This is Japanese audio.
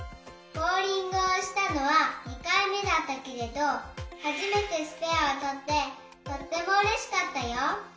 ボウリングをしたのは２かいめだったけれどはじめてスペアをとってとってもうれしかったよ。